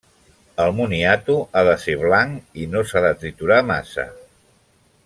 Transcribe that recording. El moniato ha de ser blanc i no s'ha de triturar massa.